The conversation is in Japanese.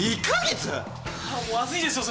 まずいですよそれ。